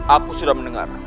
aku sudah mendengar